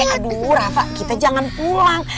aduh rafa kita jangan pulang